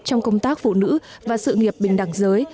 trong công tác phụ nữ và sự nghiệp bình đẳng giới